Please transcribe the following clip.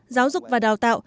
giáo dục và đào tạo